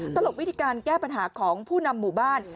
ตลกวิธีการแก้ปัญหาของผู้นำหมู่บ้าน